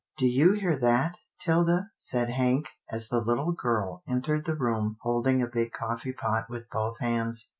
" Do you hear that, 'Tilda? " said Hank as the httle girl entered the room holding a big coffee pot with both hands.